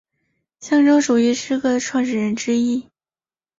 象征主义诗歌的创始人之一。